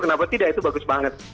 kenapa tidak itu bagus banget